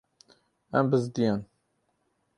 Em bizdiyan.